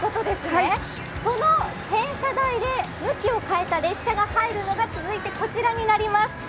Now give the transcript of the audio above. その転車台で向きを変えた電車が入るのが、続いてこちらになります。